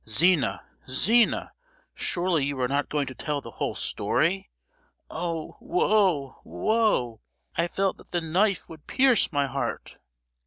"Zina, Zina! surely you are not going to tell the whole story? Oh! woe, woe! I felt that the knife would pierce my heart!"